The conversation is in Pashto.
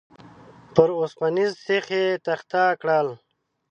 پر اوسپنيز سيخ يې تخته کړل.